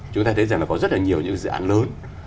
chúng ta thấy rằng là có rất là nhiều những dự án lớn